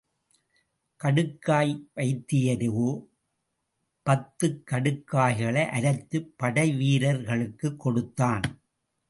கடுக்காய் வைத்தியரோ பத்துக் கடுக்காய்களை அரைத்துப் படைவீரர் களுக்குக் கொடுத்தான்.